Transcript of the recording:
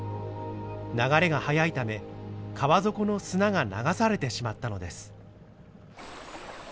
流れが速いため川底の砂が流されてしまったのです。